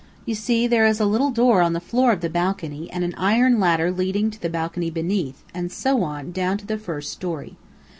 You see there is a little door in the floor of the balcony and an iron ladder leading to the balcony beneath, and so on, down to the first story."